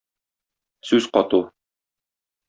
Сүз кату